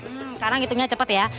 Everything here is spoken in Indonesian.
hmm karena hitungnya cepet ya